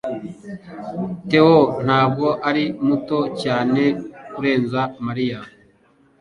Theo ntabwo ari muto cyane kurenza Mariya.